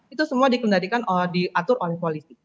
itu semua dikendalikan diatur oleh polisi